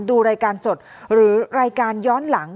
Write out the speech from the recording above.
ดูรายการสดหรือรายการย้อนหลัง